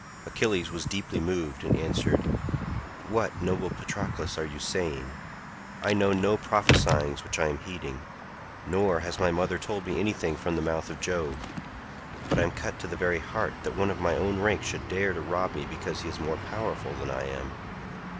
Achilles was deeply moved and answered, "What, noble Patroclus, are you saying? I know no prophesyings which I am heeding, nor has my mother told me anything from the mouth of Jove, but I am cut to the very heart that one of my own rank should dare to rob me because he is more powerful than I am.